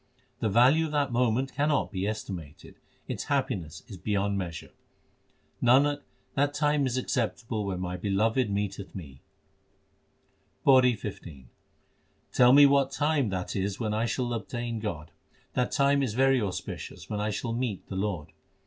The value of that moment cannot be estimated ; its happiness is beyond measure. Nanak, that time is acceptable when my Beloved meeteth me. PAURI XV Tell me what time that is when I shall obtain God : That time is very auspicious when I shall meet the Lord.